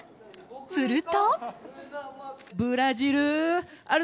すると。